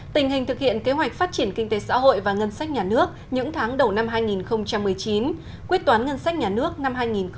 tình hình thực hiện kế hoạch phát triển kinh tế xã hội và ngân sách nhà nước những tháng đầu năm hai nghìn một mươi chín quyết toán ngân sách nhà nước năm hai nghìn một mươi tám